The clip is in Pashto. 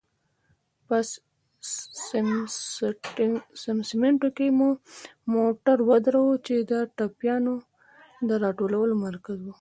په سمسټمینټو کې مو موټر ودراوه، چې د ټپيانو د را ټولولو مرکز و.